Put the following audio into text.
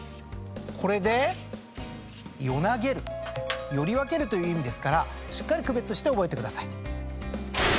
これで「淘げる」より分けるという意味ですからしっかり区別して覚えてください。